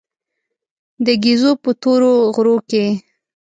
د ګېزو په تورو غرو کې.